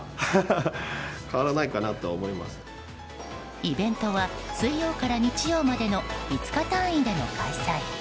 イベントは水曜から日曜までの５日単位での開催。